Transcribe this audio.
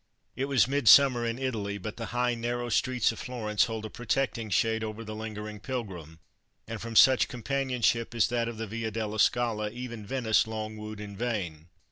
It was midsummer in Italy, but the high, narrow streets of Florence hold a protecting shade over the lingering pilgrim, and from such companionship as that of the Via della Scala even Venice long wooed in vain.